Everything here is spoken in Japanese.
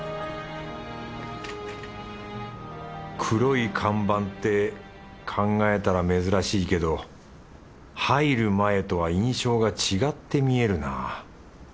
黒い看板って考えたら珍しいけど入る前とは印象が違って見えるな。